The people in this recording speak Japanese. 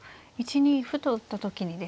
１二歩と打った時にですね。